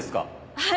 はい！